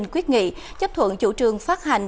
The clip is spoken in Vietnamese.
quyết nghị chấp thuận chủ trương phát hành